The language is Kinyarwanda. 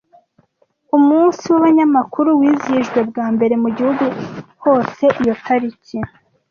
Umunsi w'abanyamakuru wizihijwe bwa mbere mu gihugu hose iyo tariki